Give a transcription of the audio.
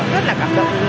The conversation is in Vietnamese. rất là cảm động